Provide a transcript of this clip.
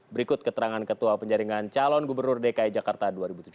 berikut keterangan ketua penjaringan calon gubernur dki jakarta dua ribu tujuh belas